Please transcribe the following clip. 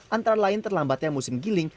antara lain terlambatnya musim giling